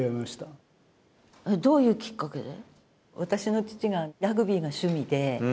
どういうきっかけで？